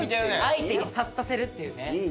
相手に察させるっていうね。